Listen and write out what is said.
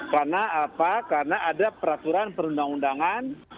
karena apa karena ada peraturan perundang undangan